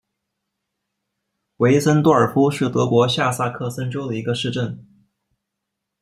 韦森多尔夫是德国下萨克森州的一个市镇。